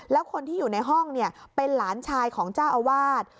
แล้วคนที่อยู่ในห้องเป็นหลานชายของเจ้าอาวาส